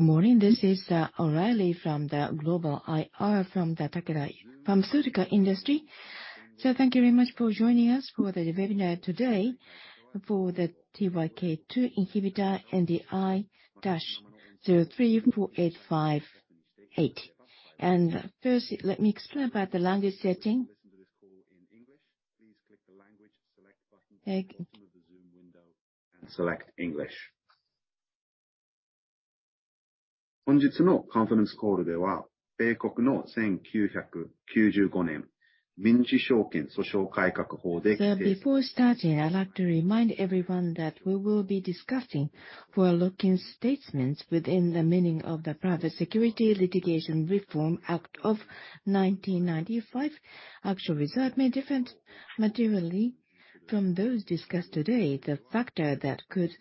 Morning. This is O'Reilly from the Global IR from the Takeda Pharmaceutical Industry. Thank you very much for joining us for the webinar today for the TYK2 inhibitor, NDI-034858. First, let me explain about the language setting. To listen to this call in English, please click the Language Select button. Okay at the bottom of the Zoom window and select English. Before starting, I'd like to remind everyone that we will be discussing forward-looking statements within the meaning of the Private Securities Litigation Reform Act of 1995. Actual result may different materially from those discussed today. The factor that could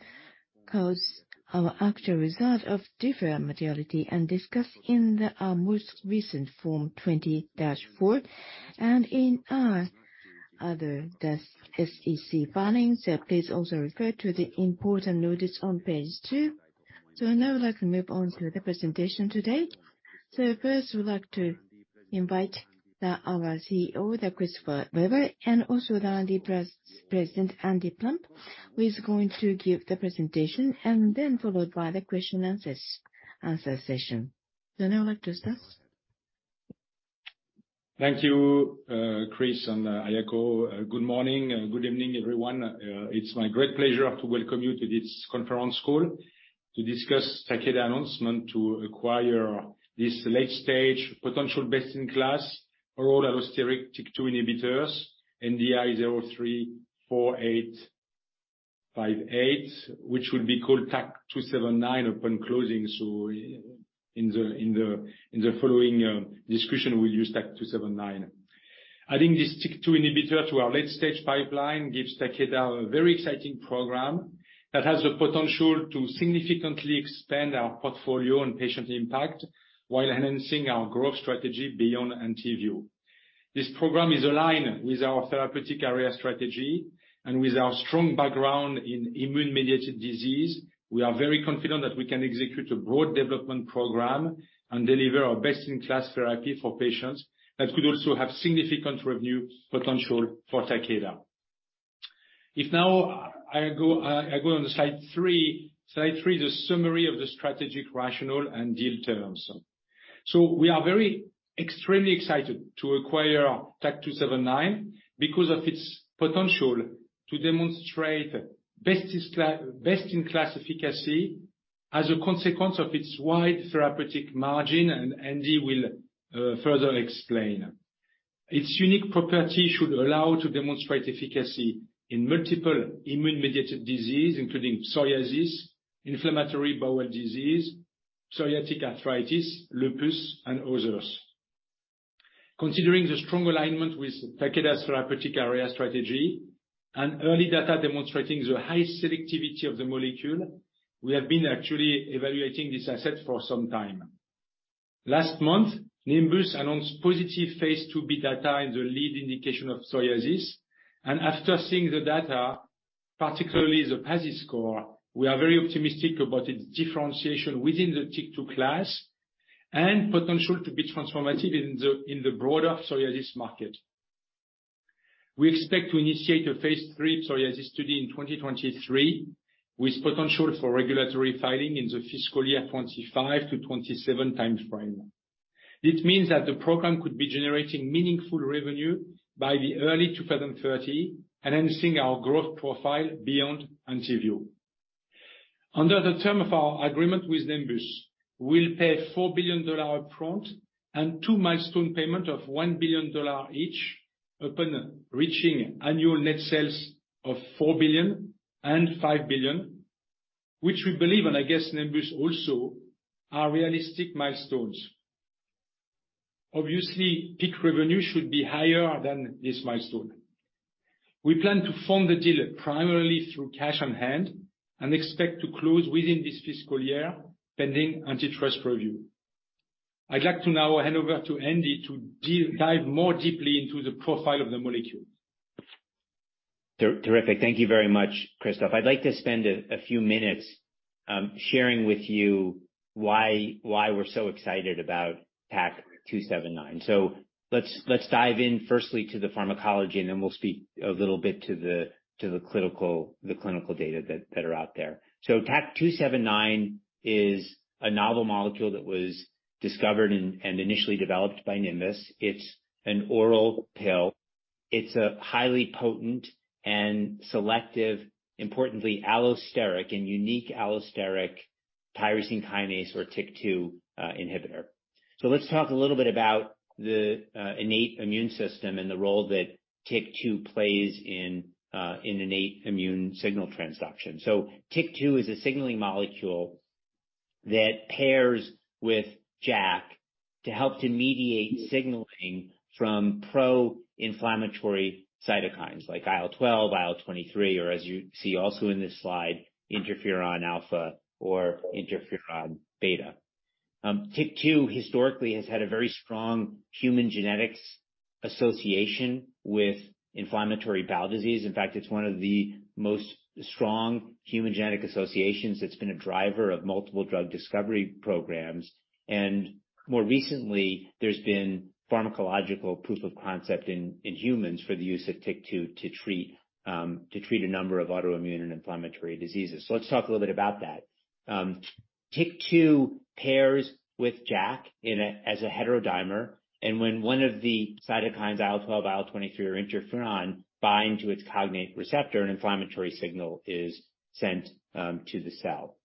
cause our actual result of different materiality and discuss in the our most recent Form 20-F and in our other SEC filings. Please also refer to the important notice on page 2. Now I'd like to move on to the presentation today. First, we would like to invite our CEO, Christophe Weber, and also the R&D President, Andy Plump, who is going to give the presentation, and then followed by the question answers, answer session. Now I'd like to start. Thank you, Chris and Ayako. Good morning and good evening, everyone. It's my great pleasure to welcome you to this conference call to discuss Takeda announcement to acquire this late-stage potential best-in-class oral allosteric TYK2 inhibitors, NDI-034858, which will be called TAK-279 upon closing. In the following discussion, we'll use TAK-279. Adding this TYK2 inhibitor to our late-stage pipeline gives Takeda a very exciting program that has the potential to significantly expand our portfolio and patient impact while enhancing our growth strategy beyond ENTYVIO. This program is aligned with our therapeutic area strategy and with our strong background in immune-mediated disease. We are very confident that we can execute a broad development program and deliver our best-in-class therapy for patients that could also have significant revenue potential for Takeda. Now I go on slide three. Slide three is a summary of the strategic rationale and deal terms. We are very extremely excited to acquire TAK-279 because of its potential to demonstrate best-in-class efficacy as a consequence of its wide therapeutic margin. Andy will further explain. Its unique property should allow to demonstrate efficacy in multiple immune-mediated disease, including psoriasis, inflammatory bowel disease, psoriatic arthritis, lupus, and others. Considering the strong alignment with Takeda therapeutic area strategy and early data demonstrating the high selectivity of the molecule, we have been actually evaluating this asset for some time. Last month, Nimbus announced positive phase 2b data in the lead indication of psoriasis. After seeing the data, particularly the PASI score, we are very optimistic about its differentiation within the TYK2 class and potential to be transformative in the broader psoriasis market. We expect to initiate a phase 3 psoriasis study in 2023, with potential for regulatory filing in the fiscal year 2025 to 2027 timeframe. This means that the program could be generating meaningful revenue by the early 2030, enhancing our growth profile beyond ENTYVIO. Under the term of our agreement with Nimbus, we'll pay $4 billion upfront and two milestone payment of $1 billion each upon reaching annual net sales of $4 billion and $5 billion, which we believe, and I guess Nimbus also, are realistic milestones. Obviously, peak revenue should be higher than this milestone. We plan to fund the deal primarily through cash on hand and expect to close within this fiscal year, pending antitrust review. I'd like to now hand over to Andy to dive more deeply into the profile of the molecule. Terrific. Thank you very much, Christophe. I'd like to spend a few minutes sharing with you why we're so excited about TAK-279. Let's dive in firstly to the pharmacology, and then we'll speak a little bit to the clinical data that are out there. TAK-279 is a novel molecule that was discovered and initially developed by Nimbus. It's an oral pill. It's a highly potent and selective, importantly allosteric and unique allosteric tyrosine kinase or TYK2 inhibitor. Let's talk a little bit about the innate immune system and the role that TYK2 plays in innate immune signal transduction. TYK2 is a signaling molecule that pairs with JAK to help to mediate signaling from pro-inflammatory cytokines like IL-12, IL-23, or as you see also in this slide, interferon alpha or interferon beta. TYK2 historically has had a very strong human genetics association with inflammatory bowel disease. In fact, it's one of the most strong human genetic associations that's been a driver of multiple drug discovery programs. More recently, there's been pharmacological proof of concept in humans for the use of TYK2 to treat a number of autoimmune and inflammatory diseases. Let's talk a little bit about that. TYK2 pairs with JAK as a heterodimer, and when one of the cytokines IL-12, IL-23 or interferon bind to its cognate receptor, an inflammatory signal is sent to the cell.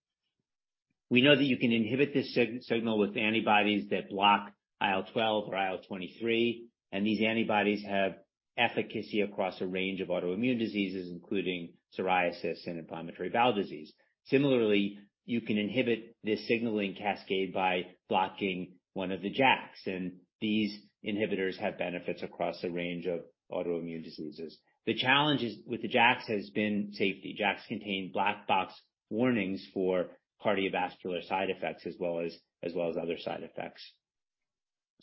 We know that you can inhibit this signal with antibodies that block IL-12 or IL-23. These antibodies have efficacy across a range of autoimmune diseases, including psoriasis and inflammatory bowel disease. Similarly, you can inhibit this signaling cascade by blocking one of the JAKs. These inhibitors have benefits across a range of autoimmune diseases. The challenge is, with the JAKs has been safety. JAKs contain black box warnings for cardiovascular side effects as well as other side effects.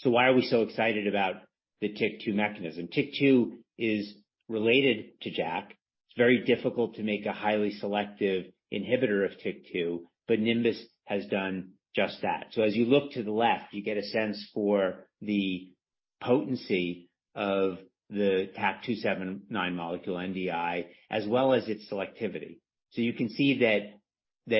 Why are we so excited about the TYK2 mechanism? TYK2 is related to JAK. It's very difficult to make a highly selective inhibitor of TYK2. Nimbus has done just that. As you look to the left, you get a sense for the potency of the TAK-279 molecule, NDI, as well as its selectivity. You can see that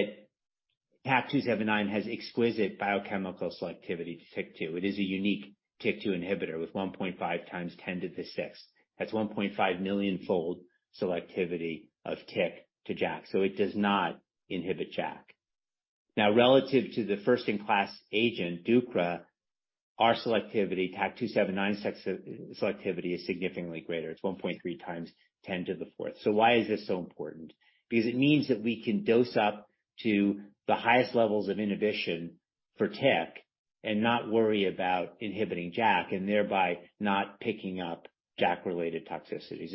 TAK-279 has exquisite biochemical selectivity to TYK2. It is a unique TYK2 inhibitor with 1.5 times 10 to the 6th. That's 1.5 million-fold selectivity of TYK to JAK, so it does not inhibit JAK. Relative to the first in class agent, deucravacitinib, our selectivity, TAK-279 selectivity is significantly greater. It's 1.3 times 10 to the 4th. Why is this so important? Because it means that we can dose up to the highest levels of inhibition for TYK and not worry about inhibiting JAK and thereby not picking up JAK-related toxicities.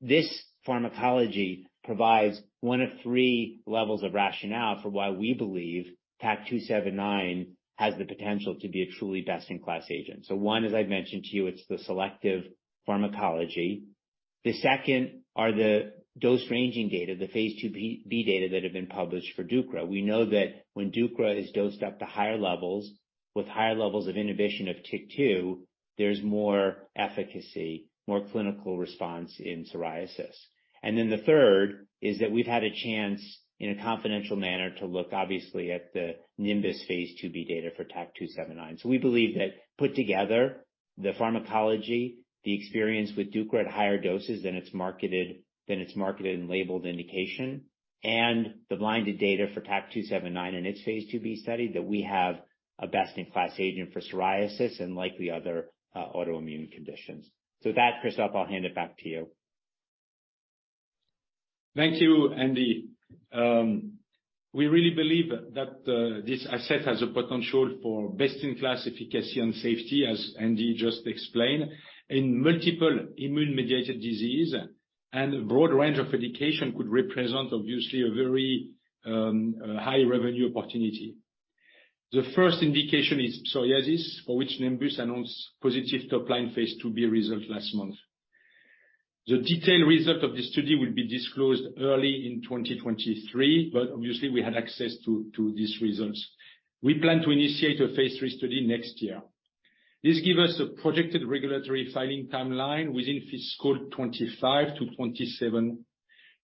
This pharmacology provides one of 3 levels of rationale for why we believe TAK-279 has the potential to be a truly best in class agent. One, as I've mentioned to you, it's the selective pharmacology. The second are the dose ranging data, the phase 2B data that have been published for DUPIXENT. We know that when DUPIXENT is dosed up to higher levels with higher levels of inhibition of TYK2, there's more efficacy, more clinical response in psoriasis. The third is that we've had a chance, in a confidential manner, to look obviously at the Nimbus phase 2B data for TAK-279. We believe that put together the pharmacology, the experience with DUPIXENT at higher doses than it's marketed and labeled indication, and the blinded data for TAK-279 in its phase 2B study, that we have a best in class agent for psoriasis and likely other autoimmune conditions. With that, Christophe, I'll hand it back to you. Thank you, Andy. We really believe that this asset has a potential for best in class efficacy and safety, as Andy just explained, in multiple immune-mediated disease and a broad range of indication could represent obviously a very high revenue opportunity. The first indication is psoriasis, for which Nimbus announced positive top line phase 2B result last month. The detailed result of the study will be disclosed early in 2023, we had access to these results. We plan to initiate a phase 3 study next year. This give us a projected regulatory filing timeline within fiscal 25-27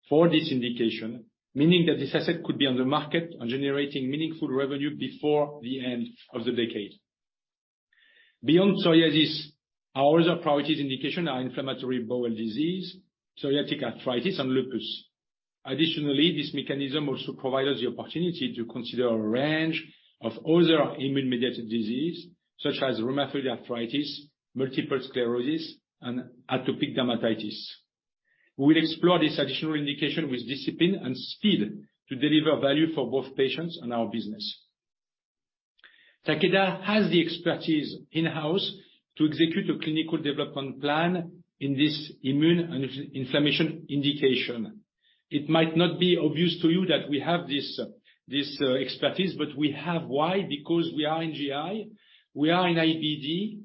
for this indication, meaning that this asset could be on the market and generating meaningful revenue before the end of the decade. Beyond psoriasis, our other priorities indication are inflammatory bowel disease, psoriatic arthritis, and lupus. Additionally, this mechanism also provides the opportunity to consider a range of other immune-mediated disease, such as rheumatoid arthritis, multiple sclerosis, and atopic dermatitis. We'll explore this additional indication with discipline and speed to deliver value for both patients and our business. Takeda has the expertise in-house to execute a clinical development plan in this immune and in-inflammation indication. It might not be obvious to you that we have this expertise, but we have. Why? Because we are in GI, we are in IBD.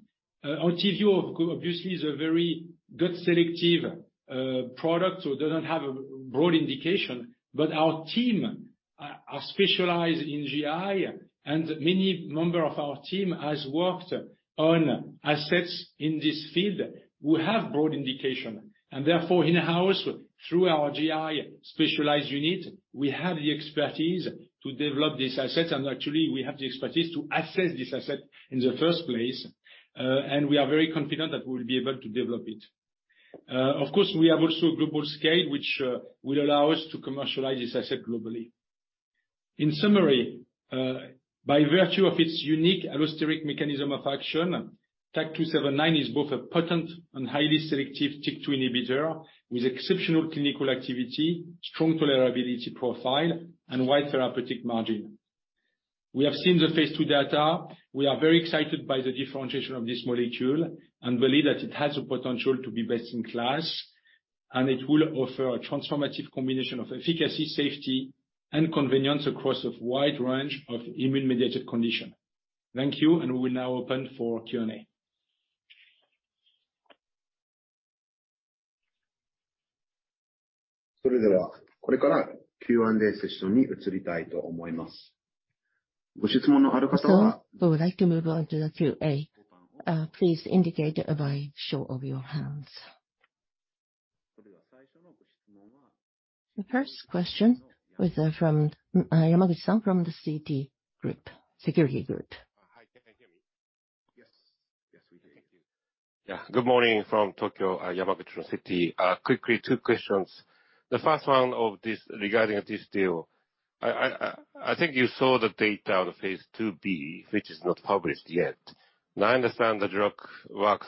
ENTYVIO obviously is a very good selective product, so it doesn't have a broad indication. Our team are specialized in GI and many member of our team has worked on assets in this field who have broad indication and therefore in-house through our GI specialized unit, we have the expertise to develop this asset. Actually we have the expertise to assess this asset in the first place, and we are very confident that we will be able to develop it. Of course, we have also a global scale which will allow us to commercialize this asset globally. In summary, by virtue of its unique allosteric mechanism of action, TAK-279 is both a potent and highly selective TYK2 inhibitor with exceptional clinical activity, strong tolerability profile, and wide therapeutic margin. We have seen the phase 2 data. We are very excited by the differentiation of this molecule and believe that it has the potential to be best in class. It will offer a transformative combination of efficacy, safety, and convenience across a wide range of immune-mediated condition. Thank you, we'll now open for Q&A. We would like to move on to the Q&A. Please indicate by show of your hands. The first question was from Yamaguchi-san from the Citigroup. Hi, can you hear me? Yes. Yes, we can hear you. Yeah. Good morning from Tokyo. Yamaguchi from Citi. Quickly, two questions. The first one of this regarding this deal. I think you saw the data on the Phase 2B, which is not published yet. I understand the drug works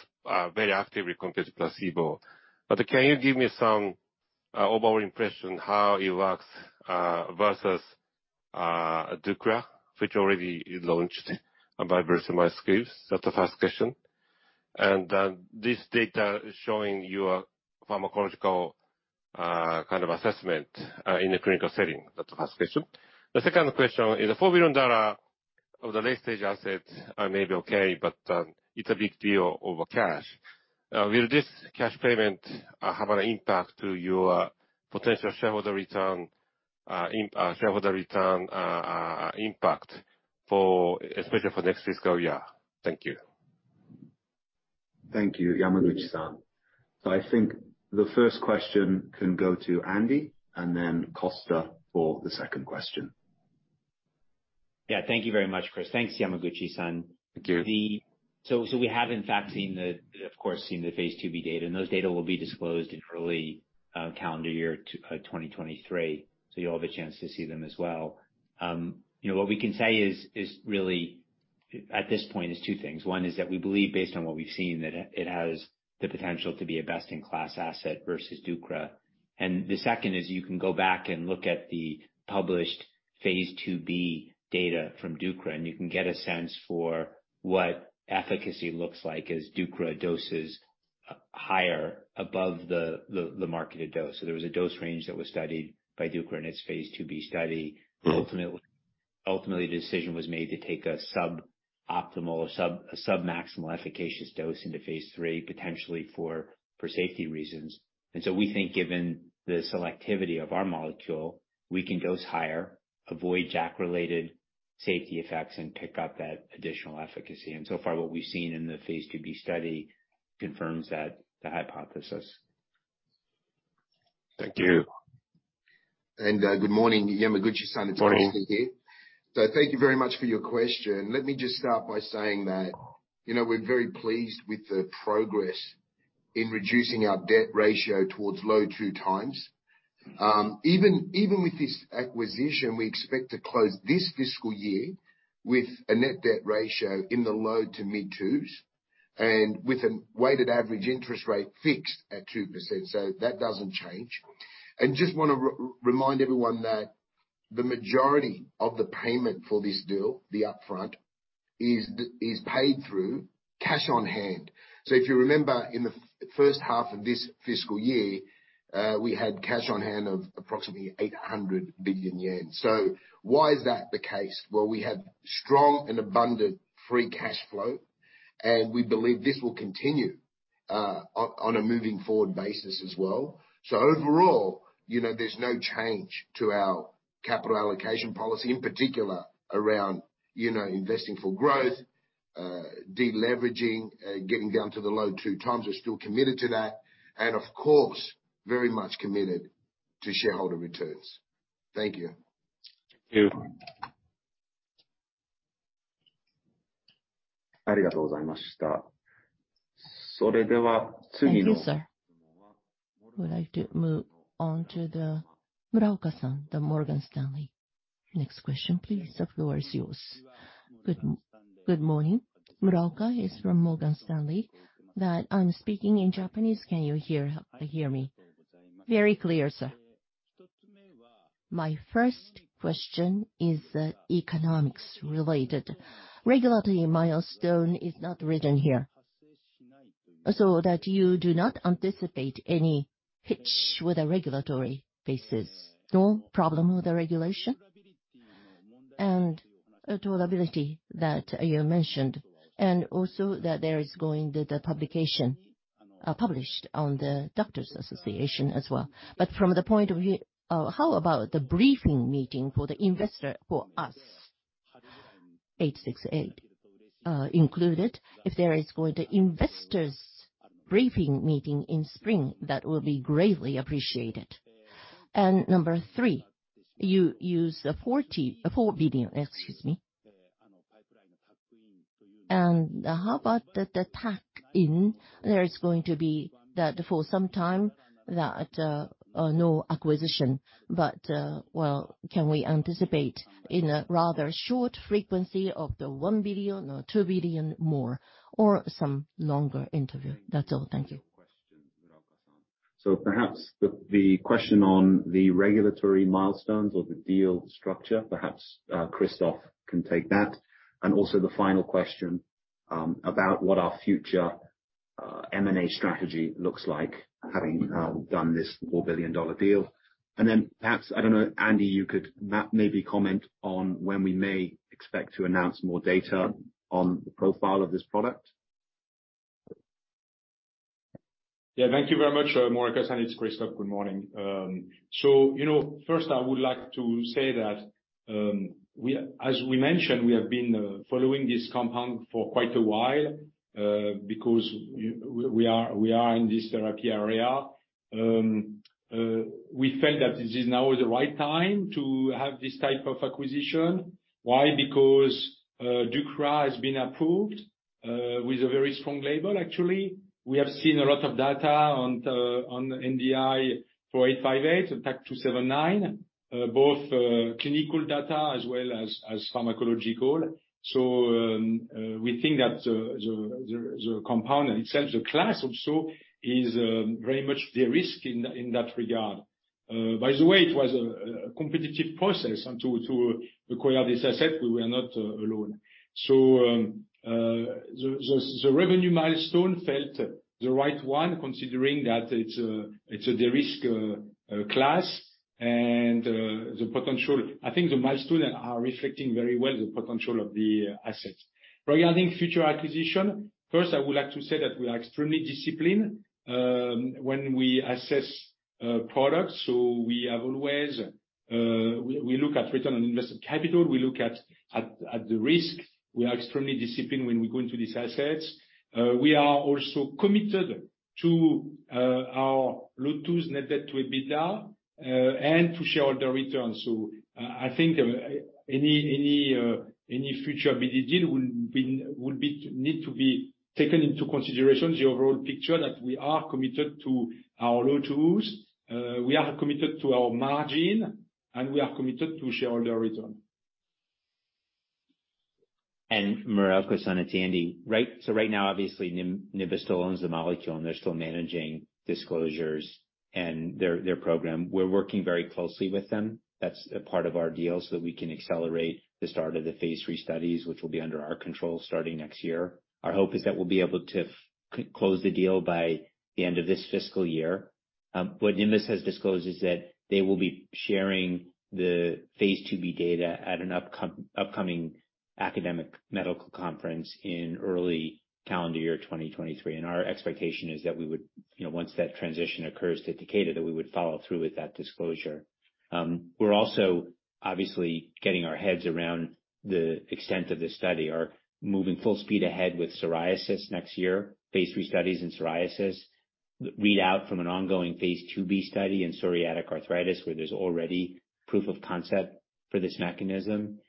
very actively compared to placebo. Can you give me some overall impression how it works versus uncertain, which already is launched by Bristol Myers Squibb? That's the first question. This data is showing your pharmacological kind of assessment in a clinical setting. That's the first question. The second question is the $4 billion of the late-stage asset may be okay, but it's a big deal over cash. Will this cash payment have an impact to your potential shareholder return impact for, especially for next fiscal year? Thank you. Thank you, Yamaguchi-san. I think the first question can go to Andy, and then Costa for the second question. Yeah. Thank you very much, Chris. Thanks, Yamaguchi-san. Thank you. We have in fact seen the, of course, seen the phase 2b data, those data will be disclosed in early calendar year 2023. You'll have a chance to see them as well. You know, what we can say really at this point is two things. One is that we believe based on what we've seen, that it has the potential to be a best-in-class asset versus deucravacitinib. The second is you can go back and look at the published phase 2b data from deucravacitinib, and you can get a sense for what efficacy looks like as deucravacitinib dose is higher above the marketed dose. There was a dose range that was studied by deucravacitinib in its phase 2b study Ultimately, the decision was made to take a sub-optimal, sub-maximal efficacious dose into phase 3, potentially for safety reasons. We think given the selectivity of our molecule, we can dose higher, avoid JAK-related safety effects, and pick up that additional efficacy. So far, what we've seen in the phase 2b study confirms that the hypothesis. Thank you. Good morning, Yamaguchi-san. Morning. Andy here. Thank you very much for your question. Let me just start by saying that, you know, we're very pleased with the progress in reducing our debt ratio towards low 2 times. Even with this acquisition, we expect to close this fiscal year with a net debt ratio in the low to mid 2s, and with a weighted average interest rate fixed at 2%, so that doesn't change. Just wanna remind everyone that the majority of the payment for this deal, the upfront, is paid through cash on hand. If you remember, in the first half of this fiscal year, we had cash on hand of approximately 800 billion yen. Why is that the case? Well, we have strong and abundant free cash flow, and we believe this will continue on a moving forward basis as well. Overall, you know, there's no change to our capital allocation policy in particular around, you know, investing for growth, de-leveraging, getting down to the low two times. We're still committed to that, of course, very much committed to shareholder returns. Thank you. Thank you. Thank you, sir. We'd like to move on to Muraoka-san, Morgan Stanley. Next question, please. The floor is yours. Good morning. Muraoka is from Morgan Stanley. I'm speaking in Japanese, can you hear me? Very clear, sir. My first question is economics related. Regulatory milestone is not written here. You do not anticipate any hitch with the regulatory basis. No problem with the regulation and tolerability that you mentioned, and also that there is going the publication published on the doctor's association as well. From the point of how about the briefing meeting for the investor for us, 868 included? If there is going to investors briefing meeting in spring, that will be greatly appreciated. Number three, you use the 4 billion, excuse me. How about the tuck in? There is going to be that for some time that no acquisition, but well, can we anticipate in a rather short frequency of the $1 billion or $2 billion more or some longer interval? That's all. Thank you. Perhaps the question on the regulatory milestones or the deal structure, perhaps Christophe can take that. Also the final question. about what our future M&A strategy looks like, having done this $4 billion deal, perhaps, I don't know, Andy, you could maybe comment on when we may expect to announce more data on the profile of this product? Yeah. Thank you very much, Muraoka, it's Christoph. Good morning. You know, first I would like to say that, as we mentioned, we have been following this compound for quite a while, because we are in this therapy area. We felt that this is now the right time to have this type of acquisition. Why? Because deucravacitinib has been approved with a very strong label actually. We have seen a lot of data on the NDI-034858, TAK-279, both clinical data as well as pharmacological. We think that the compound itself, the class also, is very much de-risked in that regard. By the way, it was a competitive process to acquire this asset. We were not alone. The revenue milestone felt the right one considering that it's a de-risk class and the potential. I think the milestone are reflecting very well the potential of the assets. Regarding future acquisition, first, I would like to say that we are extremely disciplined, when we assess products. We have always, we look at return on invested capital, we look at the risk. We are extremely disciplined when we go into these assets. We are also committed to our low 2s net debt to EBITDA, and to shareholder returns. I think any future BD deal will be need to be taken into consideration the overall picture that we are committed to our low 2s, we are committed to our margin, and we are committed to shareholder return. Muraoka, it's Andy. Right now obviously Nimbus still owns the molecule, and they're still managing disclosures and their program. We're working very closely with them. That's a part of our deal, so that we can accelerate the start of the phase 3 studies, which will be under our control starting next year. Our hope is that we'll be able to close the deal by the end of this fiscal year. What Nimbus has disclosed is that they will be sharing the phase 2b data at an upcoming academic medical conference in early calendar year 2023. Our expectation is that we would, you know, once that transition occurs to Takeda, that we would follow through with that disclosure. We're also obviously getting our heads around the extent of this study. Are moving full speed ahead with psoriasis next year, phase 3 studies in psoriasis. Read out from an ongoing phase 2b study in psoriatic arthritis, where there's already proof of concept for this mechanism.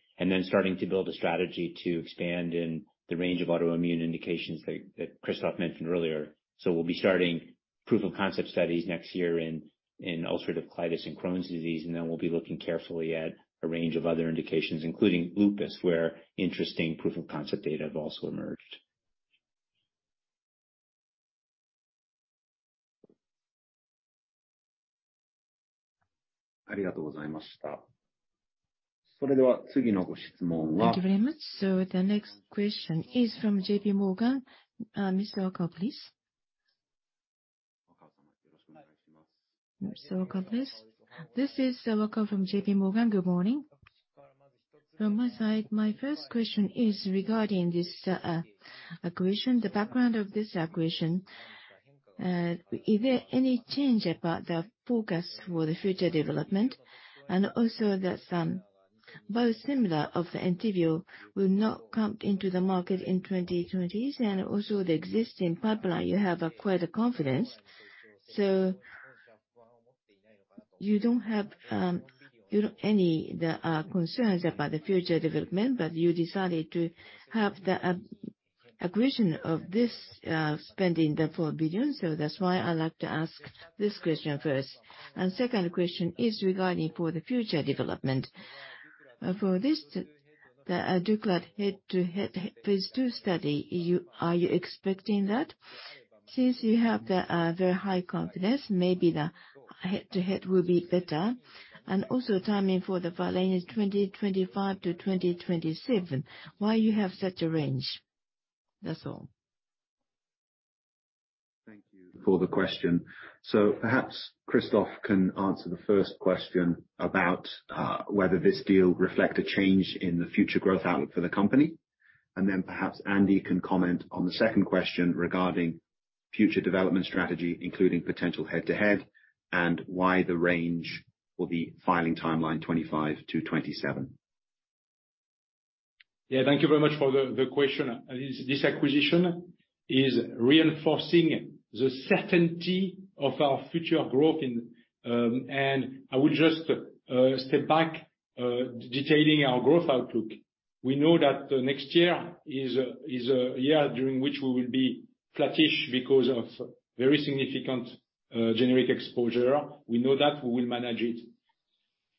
Starting to build a strategy to expand in the range of autoimmune indications that Christophe mentioned earlier. We'll be starting proof of concept studies next year in ulcerative colitis and Crohn's disease, we'll be looking carefully at a range of other indications, including lupus, where interesting proof of concept data have also emerged. Thank you very much. The next question is from JP Morgan, Miss Wakao-san, please. This is Wakao from JP Morgan. Good morning. From my side, my first question is regarding this acquisition, the background of this acquisition. Is there any change about the forecast for the future development? Also that biosimilar of ENTYVIO will not come into the market in 2020s, and also the existing pipeline, you have acquired a confidence. You don't have, you know, any concerns about the future development, but you decided to have the acquisition of this spending the $4 billion. That's why I'd like to ask this question first. Second question is regarding for the future development. For this, the deucravacitinib head-to-head phase 2 study, are you expecting that? Since you have the very high confidence, maybe the head-to-head will be better. Also timing for the filing is 2025-2027. Why you have such a range? That's all. Thank you for the question. Perhaps Christoph can answer the first question about whether this deal reflect a change in the future growth outlook for the company. Perhaps Andy can comment on the second question regarding future development strategy, including potential head-to-head, and why the range for the filing timeline 2025-2027. Yeah. Thank you very much for the question. This acquisition is reinforcing the certainty of our future growth in... I would just step back detailing our growth outlook. We know that next year is a year during which we will be flattish because of very significant generic exposure. We know that. We will manage it.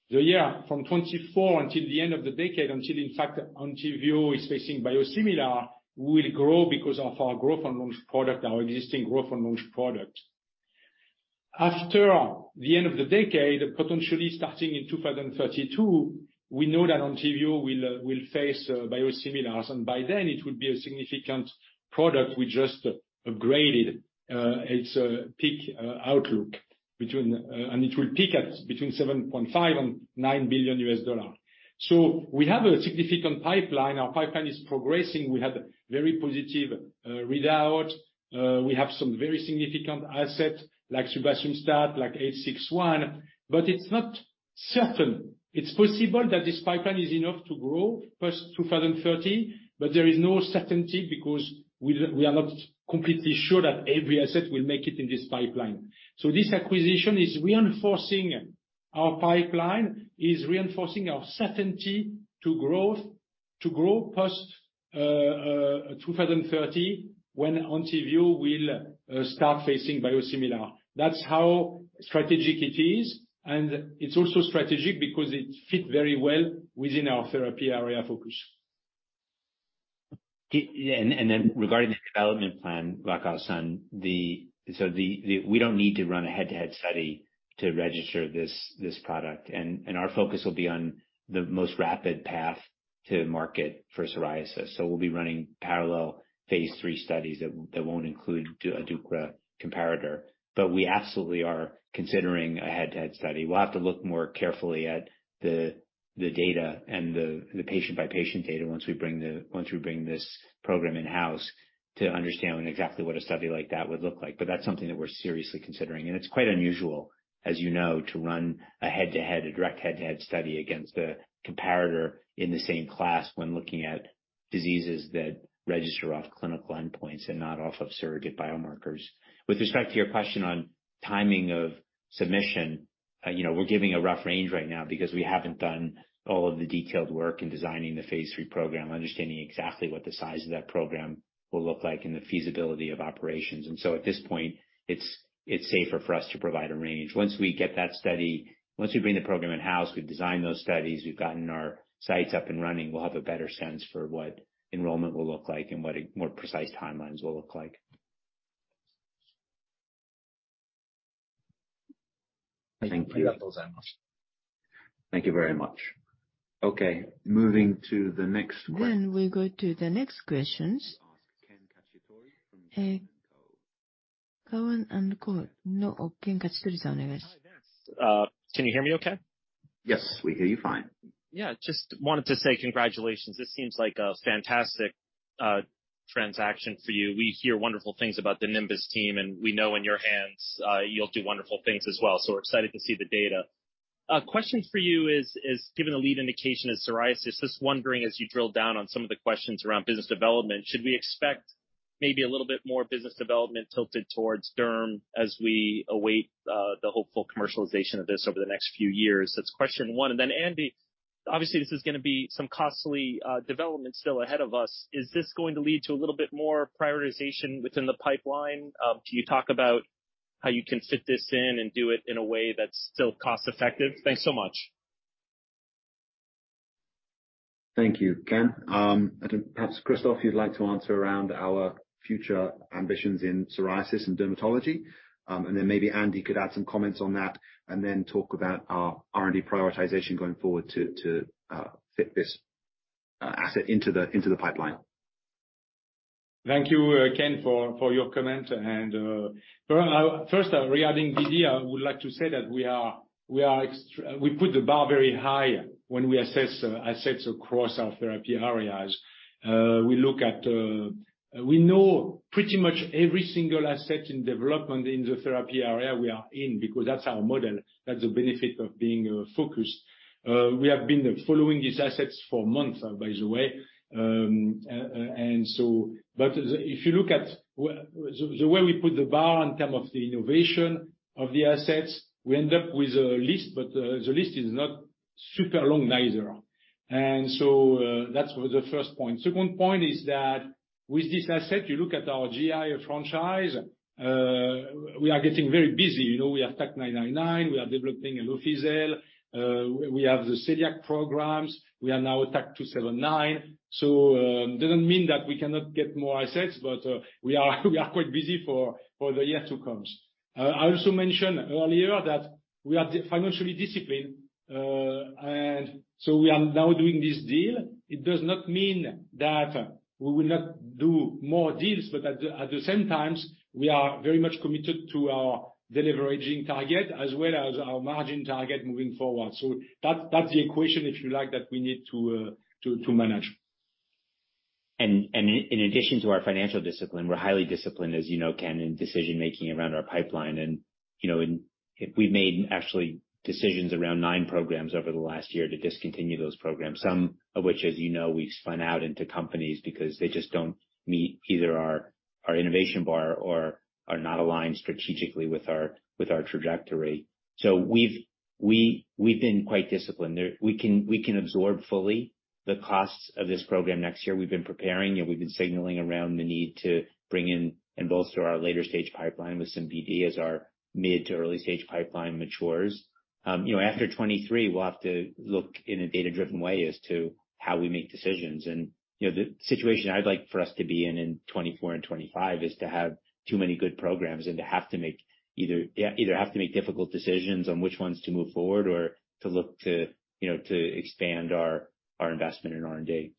The year from 2024 until the end of the decade, until in fact ENTYVIO is facing biosimilar, we'll grow because of our growth on launched product, our existing growth on launched product. After the end of the decade, potentially starting in 2032, we know that ENTYVIO will face biosimilars, and by then it would be a significant product. We just upgraded its peak outlook between... It will peak at between $7.5 billion and $9 billion. We have a significant pipeline. Our pipeline is progressing. We had very positive readout. We have some very significant assets like subasumstat, like TAK-861, but it's not certain. It's possible that this pipeline is enough to grow past 2030, but there is no certainty because we are not completely sure that every asset will make it in this pipeline. This acquisition is reinforcing our pipeline, is reinforcing our certainty to growth, to grow post 2030, when ENTYVIO will start facing biosimilar. That's how strategic it is, and it's also strategic because it fit very well within our therapy area focus. Yeah, and then regarding the development plan, TAK-861, the. We don't need to run a head-to-head study to register this product. And our focus will be on the most rapid path to market for psoriasis. We'll be running parallel Phase 3 studies that won't include deucravacitinib comparator, but we absolutely are considering a head-to-head study. We'll have to look more carefully at the data and the patient-by-patient data once we bring this program in-house to understand exactly what a study like that would look like. That's something that we're seriously considering, and it's quite unusual, as you know, to run a direct head-to-head study against a comparator in the same class when looking at diseases that register off clinical endpoints and not off of surrogate biomarkers. With respect to your question on timing of submission, you know, we're giving a rough range right now because we haven't done all of the detailed work in designing the Phase 3 program, understanding exactly what the size of that program will look like and the feasibility of operations. At this point, it's safer for us to provide a range. Once we bring the program in-house, we've designed those studies, we've gotten our sites up and running, we'll have a better sense for what enrollment will look like and what a more precise timelines will look like. Thank you. Thank you very much. Okay, moving to the next question. We go to the next questions. We ask Ken Cacciatore from Cowen and Company. Ken Cacciatore-san. Can you hear me okay? Yes, we hear you fine. Yeah, just wanted to say congratulations. This seems like a fantastic transaction for you. We hear wonderful things about the Nimbus team, and we know in your hands, you'll do wonderful things as well. We're excited to see the data. A question for you is given the lead indication is psoriasis, just wondering as you drill down on some of the questions around business development, should we expect maybe a little bit more business development tilted towards derm as we await the hopeful commercialization of this over the next few years? That's question one. Then Andy, obviously this is gonna be some costly development still ahead of us. Is this going to lead to a little bit more prioritization within the pipeline? Can you talk about how you can fit this in and do it in a way that's still cost effective? Thanks so much. Thank you, Ken. Perhaps Christophe, you'd like to answer around our future ambitions in psoriasis and dermatology, and then maybe Andy could add some comments on that and then talk about our R&D prioritization going forward to fit this asset into the pipeline. Thank you, Ken for your comment. First, regarding BD, I would like to say that we put the bar very high when we assess assets across our therapy areas. We look at. We know pretty much every single asset in development in the therapy area we are in because that's our model. That's the benefit of being focused. We have been following these assets for months, by the way. If you look at the way we put the bar in term of the innovation of the assets, we end up with a list, but the list is not super long neither. That's the first point. Second point is that with this asset, you look at our GI franchise, we are getting very busy. You know, we have TAK-999, we are developing efavaleukin alfa, we have the celiac programs, we are now TAK-279. Doesn't mean that we cannot get more assets, but we are quite busy for the year to comes. I also mentioned earlier that we are financially disciplined, and so we are now doing this deal. It does not mean that we will not do more deals, but at the same times, we are very much committed to our deleveraging target as well as our margin target moving forward. That's, that's the equation, if you like, that we need to manage. In addition to our financial discipline, we're highly disciplined, as you know, Ken, in decision-making around our pipeline. You know, and we've made actually decisions around nine programs over the last year to discontinue those programs. Some of which, as you know, we've spun out into companies because they just don't meet either our innovation bar or are not aligned strategically with our, with our trajectory. We've been quite disciplined. There. We can absorb fully the costs of this program next year. We've been preparing and we've been signaling around the need to bring in and bolster our later stage pipeline with some BD as our mid to early stage pipeline matures. You know, after 23, we'll have to look in a data-driven way as to how we make decisions. You know, the situation I'd like for us to be in in 2024 and 2025 is to have too many good programs and to have to make either difficult decisions on which ones to move forward or to look to, you know, to expand our investment in R&D.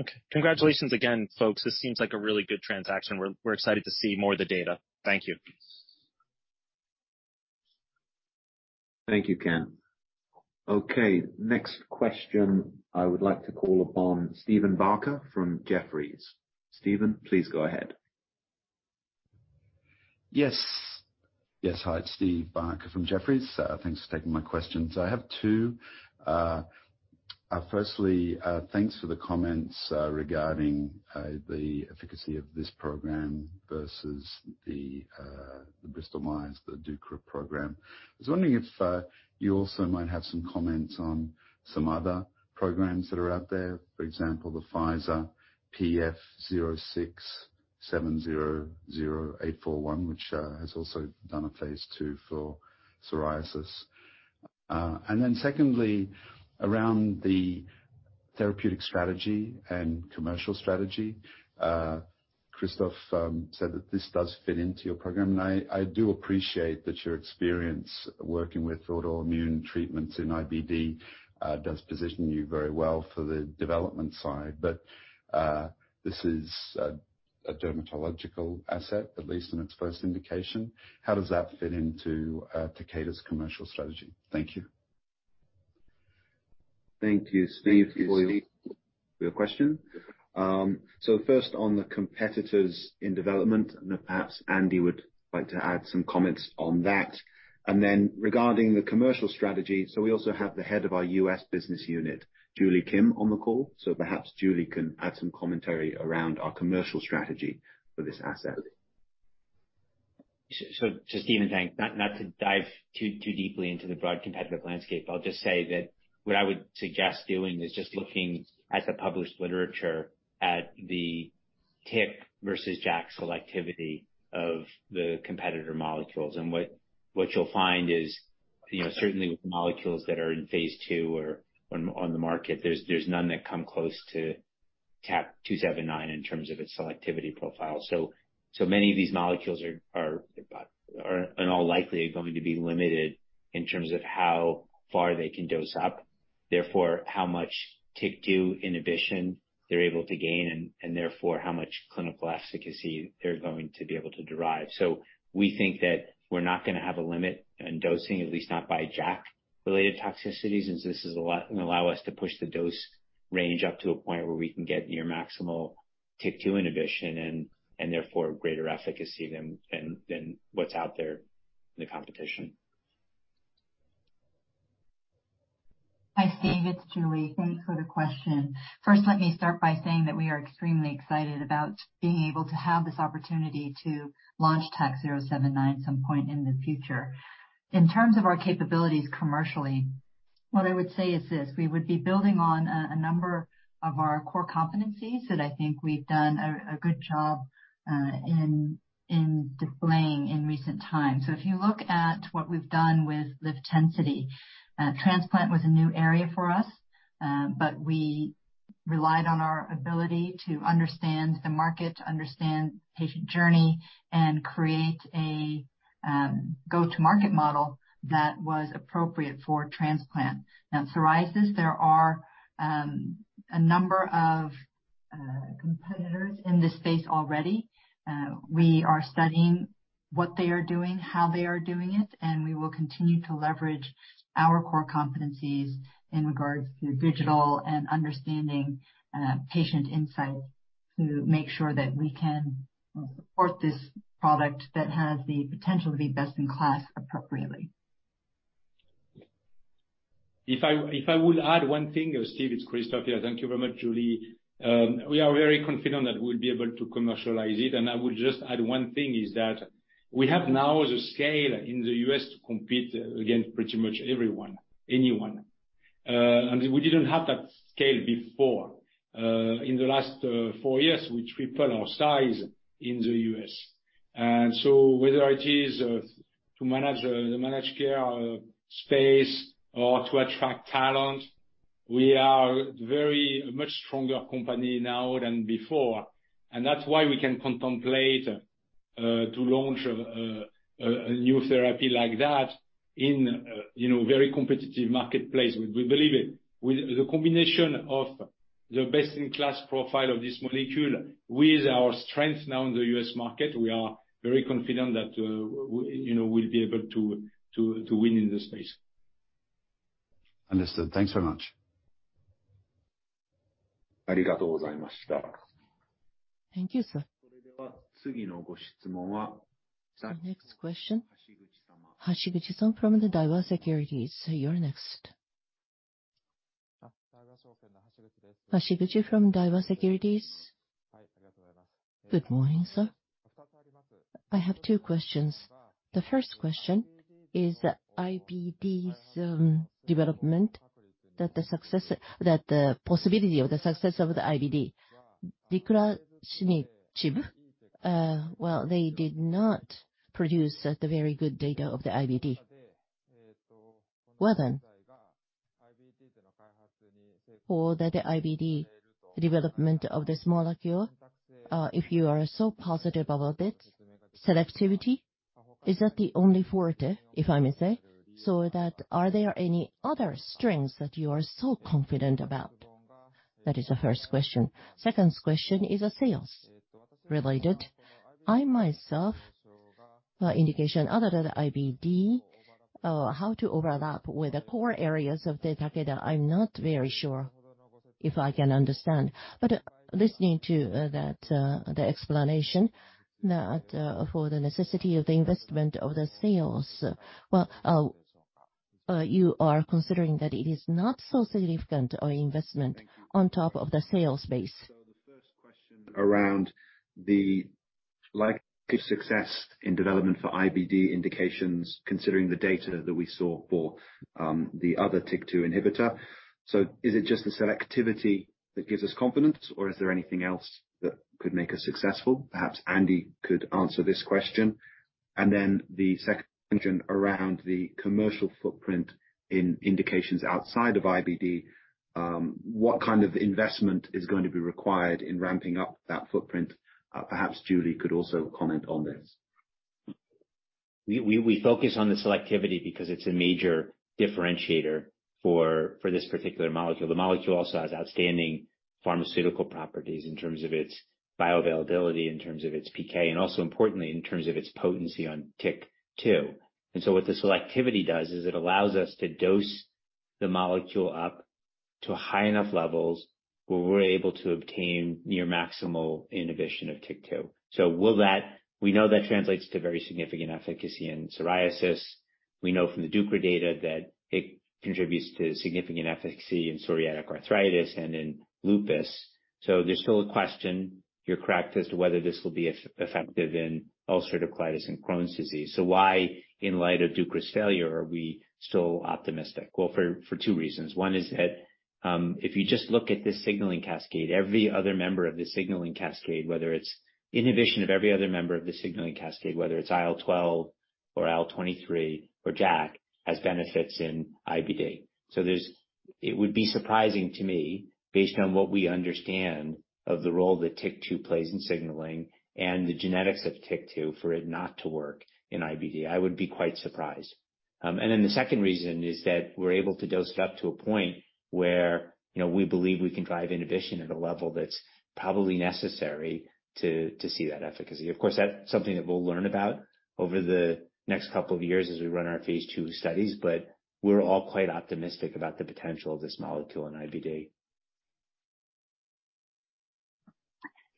Okay. Congratulations again, folks. This seems like a really good transaction. We're excited to see more of the data. Thank you. Thank you, Ken. Okay. Next question I would like to call upon Stephen Barker from Jefferies. Stephen, please go ahead. Yes, hi, it's Steve Barker from Jefferies. Thanks for taking my questions. I have two. Firstly, thanks for the comments regarding the efficacy of this program versus the Bristol Myers deucravacitinib program. I was wondering if you also might have some comments on some other programs that are out there, for example, the Pfizer PF-06700841, which has also done a Phase 2 for psoriasis. Secondly, around the therapeutic strategy and commercial strategy, Christophe said that this does fit into your program. I do appreciate that your experience working with autoimmune treatments in IBD does position you very well for the development side. This is a dermatological asset, at least in its first indication. How does that fit into Takeda's commercial strategy? Thank you. Thank you, Steve, for your question. First on the competitors in development, then perhaps Andy would like to add some comments on that. Regarding the commercial strategy, we also have the head of our U.S. business unit, Julie Kim, on the call. Perhaps Julie can add some commentary around our commercial strategy for this asset. Stephen, thanks. Not to dive too deeply into the broad competitive landscape, I'll just say that what I would suggest doing is just looking at the published literature at the TYK versus JAK selectivity of the competitor molecules. What you'll find is, you know, certainly with molecules that are in phase 2 or on the market, there's none that come close to TAK-279 in terms of its selectivity profile. Many of these molecules are in all likely are going to be limited in terms of how far they can dose up, therefore how much TYK2 inhibition they're able to gain, and therefore how much clinical efficacy they're going to be able to derive. We think that we're not gonna have a limit on dosing, at least not by JAK-related toxicities. Allow us to push the dose range up to a point where we can get near maximal TYK2 inhibition and therefore greater efficacy than what's out there in the competition. Hi, Steve, it's Julie. Thanks for the question. Let me start by saying that we are extremely excited about being able to have this opportunity to launch TAK-079 at some point in the future. In terms of our capabilities commercially, what I would say is this: We would be building on a number of our core competencies that I think we've done a good job in displaying in recent times. If you look at what we've done with LIVTENCITY, transplant was a new area for us, but we relied on our ability to understand the market, to understand patient journey, and create a go-to-market model that was appropriate for transplant. In psoriasis, there are a number of competitors in this space already. We are studying what they are doing, how they are doing it, and we will continue to leverage our core competencies in regards to digital and understanding, patient insight to make sure that we can, you know, support this product that has the potential to be best in class appropriately. If I would add one thing, Steve, it's Christophe here. Thank you very much, Julie. We are very confident that we'll be able to commercialize it, and I would just add one thing is that we have now the scale in the U.S. to compete against pretty much everyone, anyone. We didn't have that scale before. In the last four years, we tripled our size in the U.S. Whether it is to manage the managed care space or to attract talent, we are very much stronger company now than before. That's why we can contemplate to launch a new therapy like that in, you know, very competitive marketplace. We believe it. With the combination of the best-in-class profile of this molecule with our strength now in the U.S. market, we are very confident that, we, you know, we'll be able to win in this space. Understood. Thanks very much. Thank you, sir. Our next question, Hashiguchi San from the Daiwa Securities, you're next. Hashiguchi from Daiwa Securities. Good morning, sir. I have two questions. The first question is IBD's development. The possibility of the success of the IBD, they did not produce the very good data of the IBD. For the IBD development of this molecule, if you are so positive about it, selectivity, is that the only forte, if I may say so? Are there any other strengths that you are so confident about? That is the first question. Second question is a sales related. I, myself, indication other than IBD, how to overlap with the core areas of the Takeda, I'm not very sure if I can understand. Listening to that the explanation that for the necessity of the investment of the sales, well, you are considering that it is not so significant a investment on top of the sales base. The first question around the likely success in development for IBD indications, considering the data that we saw for the other TYK2 inhibitor. Is it just the selectivity that gives us confidence, or is there anything else that could make us successful? Perhaps Andy could answer this question. The second question around the commercial footprint in indications outside of IBD. What kind of investment is going to be required in ramping up that footprint? Perhaps Julie could also comment on this. We focus on the selectivity because it's a major differentiator for this particular molecule. The molecule also has outstanding pharmaceutical properties in terms of its bioavailability, in terms of its PK, and also importantly, in terms of its potency on TYK2. What the selectivity does is it allows us to dose the molecule up to high enough levels where we're able to obtain near maximal inhibition of TYK2. We know that translates to very significant efficacy in psoriasis. We know from the deucravacitinib data that it contributes to significant efficacy in psoriatic arthritis and in lupus. There's still a question, you're correct, as to whether this will be effective in ulcerative colitis and Crohn's disease. Why, in light of DUPX's failure, are we still optimistic? Well, for two reasons. One is that, if you just look at this signaling cascade, whether it's inhibition of every other member of the signaling cascade, whether it's IL-12 or IL-23 or JAK, has benefits in IBD. It would be surprising to me, based on what we understand of the role that TYK2 plays in signaling and the genetics of TYK2, for it not to work in IBD. I would be quite surprised. The second reason is that we're able to dose it up to a point where, you know, we believe we can drive inhibition at a level that's probably necessary to see that efficacy. Of course, that's something that we'll learn about over the next couple of years as we run our phase 2 studies, but we're all quite optimistic about the potential of this molecule in IBD.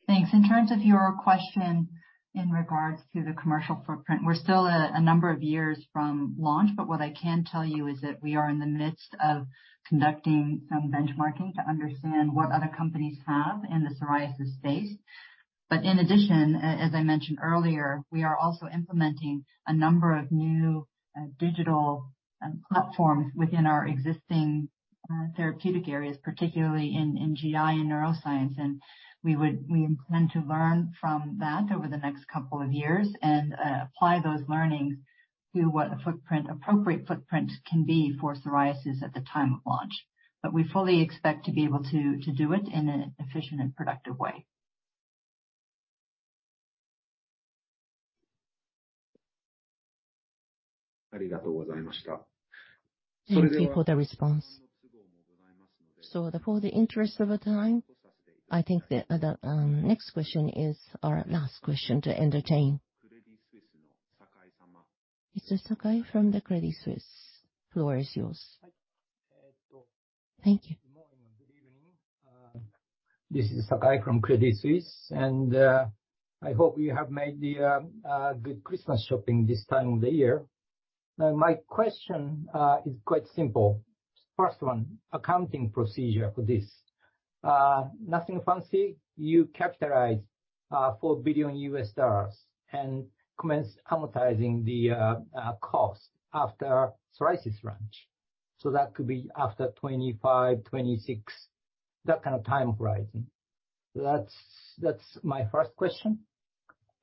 Thanks. In terms of your question in regards to the commercial footprint, we're still a number of years from launch. What I can tell you is that we are in the midst of conducting some benchmarking to understand what other companies have in the psoriasis space. In addition, as I mentioned earlier, we are also implementing a number of new digital platforms within our existing therapeutic areas, particularly in GI and neuroscience. We intend to learn from that over the next couple of years and apply those learnings to what the footprint, appropriate footprint can be for psoriasis at the time of launch. We fully expect to be able to do it in an efficient and productive way. Thank you for the response. For the interest of time, I think the next question is our last question to entertain. It's Sakai from the Credit Suisse. Floor is yours. Thank you. Good morning and good evening. This is Sakai from Credit Suisse. I hope you have made the good Christmas shopping this time of the year. My question is quite simple. First one, accounting procedure for this. Nothing fancy. You capitalize $4 billion and commence amortizing the cost after psoriasis launch. So that could be after 2025, 2026, that kind of time horizon. That's my first question.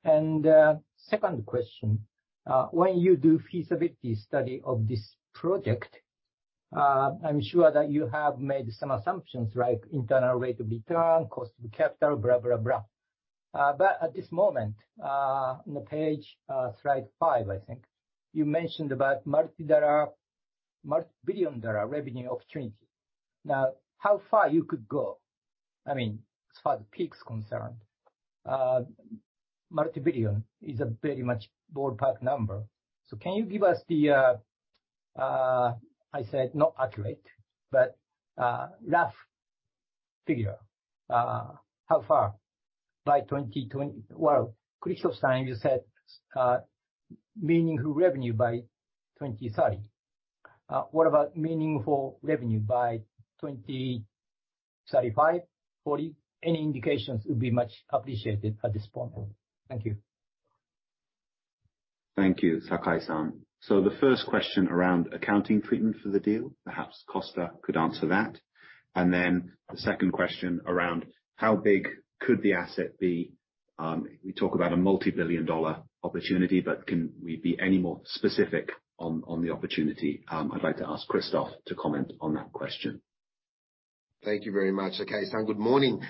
Second question. When you do feasibility study of this project, I'm sure that you have made some assumptions, like internal rate of return, cost of capital, blah, blah. At this moment, on slide 5, I think, you mentioned about multi-dollar, multi-billion dollar revenue opportunity. How far you could go, I mean, as far as peak's concerned, multi-billion is a very much ballpark number. Can you give us the, I said not accurate, but rough figure? How far by Well, Christophe, you said meaningful revenue by 2030. What about meaningful revenue by 2035, 2040? Any indications would be much appreciated at this point. Thank you. Thank you, Sakai-san. The first question around accounting treatment for the deal, perhaps Costa could answer that. The second question around how big could the asset be, we talk about a multi-billion dollar opportunity, but can we be any more specific on the opportunity? I'd like to ask Christophe to comment on that question. Thank you very much. Okay. Good morning.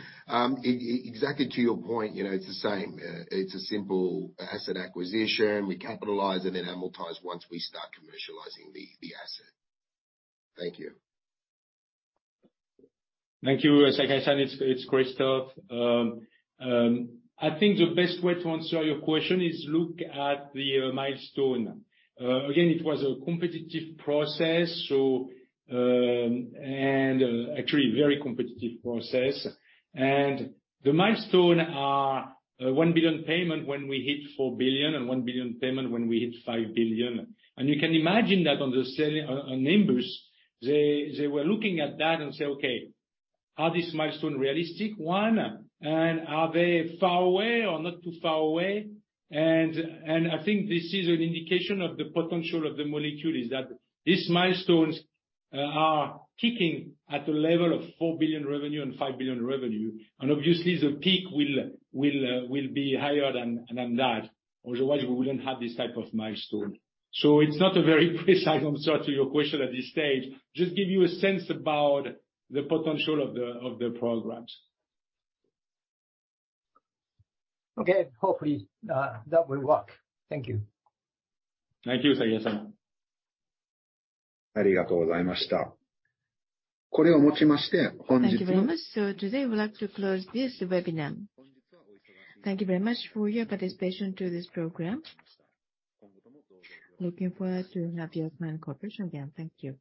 Exactly to your point, you know, it's the same. It's a simple asset acquisition. We capitalize it and amortize once we start commercializing the asset. Thank you. Thank you, Sakai-san. It's Christophe. I think the best way to answer your question is look at the milestone. Again, it was a competitive process so actually very competitive process. The milestone are a $1 billion payment when we hit $4 billion and $1 billion payment when we hit $5 billion. You can imagine that on the selling members, they were looking at that and say, "Okay, are these milestone realistic, one? Are they far away or not too far away?" I think this is an indication of the potential of the molecule, is that these milestones are kicking at the level of $4 billion revenue and $5 billion revenue. Obviously the peak will be higher than that. Otherwise, we wouldn't have this type of milestone. It's not a very precise answer to your question at this stage. Just give you a sense about the potential of the programs. Okay. Hopefully, that will work. Thank you. Thank you, Sakai-san. Thank you very much. Today we'd like to close this webinar. Thank you very much for your participation to this program. Looking forward to have you with Ono Corporation again. Thank you.